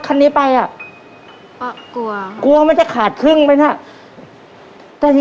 ก็คงใช้กันไปแล้ว